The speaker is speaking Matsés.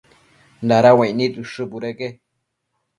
dada uaic nid ushë budeque